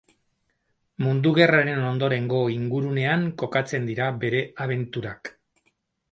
Mundu Gerraren ondorengo ingurunean kokatzen dira bere abenturak.